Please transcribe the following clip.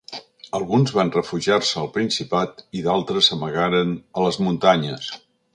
Alguns van refugiar-se al Principat i d'altres s'amagaren a les muntanyes.